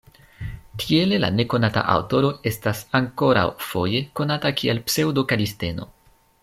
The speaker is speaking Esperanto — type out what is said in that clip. Tiele la nekonata aŭtoro estas ankoraŭ foje konata kiel Pseŭdo-Kalisteno.